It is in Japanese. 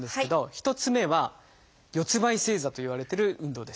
１つ目は「四つんばい正座」といわれてる運動です。